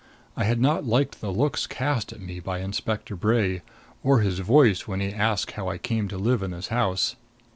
I had not liked the looks cast at me by Inspector Bray, or his voice when he asked how I came to live in this house.